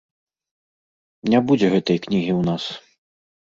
Не будзе гэтай кнігі ў нас.